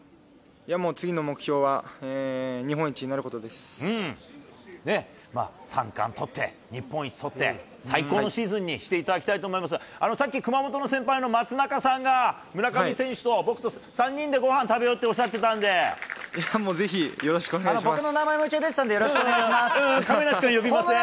もう次の目標は、日本一にな三冠取って、日本一取って、最高のシーズンにしていただきたいと思いますが、さっき熊本の先輩の松中さんが、村上選手と僕と３人でごはん食べようっておっしいやもうぜひ、よろしくお願僕の名前も一応出てたんで、亀梨君は呼びません。